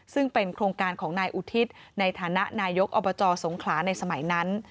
ซึ่งเป็นโครงการของนายอุทิศในฐานะนายกอบจสงขลาในสมัยนั้น